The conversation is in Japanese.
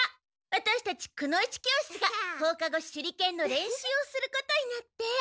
ワタシたちくの一教室が放課後手裏剣の練習をすることになって。